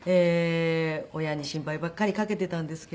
親に心配ばかりかけていたんですけれども。